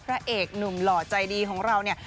พระเอกหนุ่มหล่อใจดีของเราเนี่ย